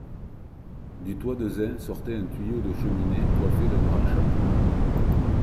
Du toit de zinc sortait un tuyau de cheminée coiffe d'un grand chapeau.